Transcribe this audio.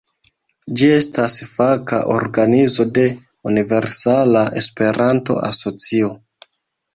Ĝi estas faka organizo de Universala Esperanto-Asocio.